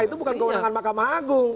itu bukan keunangan makam agung